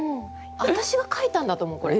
あたしが書いたんだと思うこれ。